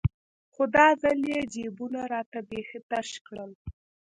خو دا ځل يې جيبونه راته بيخي تش كړل.